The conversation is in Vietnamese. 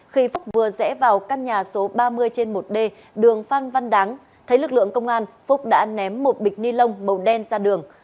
khi phúc vừa rẽ vào căn nhà số ba mươi trên một d đường phan văn đáng thấy lực lượng công an phúc đã ném một bịch ni lông màu đen ra đường